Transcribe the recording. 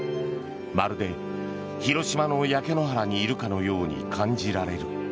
まるで、広島の焼け野原にいるかのように感じられる。